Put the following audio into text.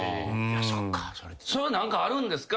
それは何かあるんですか？